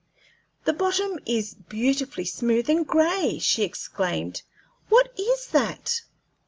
"The bottom is beautifully smooth and gray," she exclaimed; "what is that?"